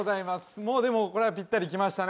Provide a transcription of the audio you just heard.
もうでもこれはピッタリいきましたね